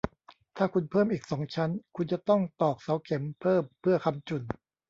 ถ้าคุณเพิ่มอีกสองชั้น คุณจะต้องตอกเสาเข็มเพิ่มเพื่อค้ำจุน